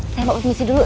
saya mau emisi dulu